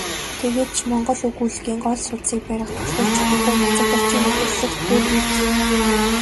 Тэгээд ч монгол өгүүллэгийн гол судсыг барих түлхүүр чухамхүү Нацагдоржийн өгүүллэгт буйг мэдсэн.